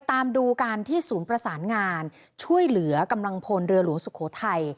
ตามดูกันที่ศูนย์ประสานงานช่วยเหลือกำลังพลเรือหลวงสุโขทัย